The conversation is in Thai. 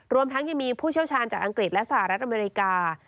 รวมทั้งยังมีผู้เชี่ยวชาญจากอังกฤษและสหรัฐอเมริกา